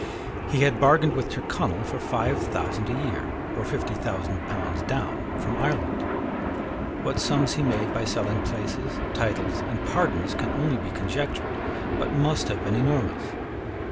He had bargained with Tyrconnel for five thousand a year, or fifty thousand pounds down, from Ireland. What sums he made by selling places, titles, and pardons, can only be conjectured, but must have been enormous.